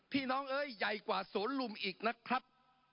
น้องเอ้ยใหญ่กว่าสวนลุมอีกนะครับ